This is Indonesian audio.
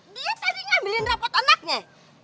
dia tadi ngambilin rapot anaknya